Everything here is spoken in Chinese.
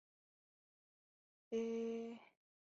汉军人。